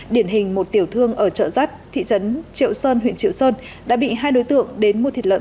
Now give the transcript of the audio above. điển hình một tiểu thương ở chợ rắt thị trấn triệu sơn huyện triệu sơn đã bị hai đối tượng đến mua thịt lợn